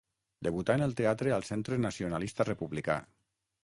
Debutà en el teatre al Centre Nacionalista Republicà.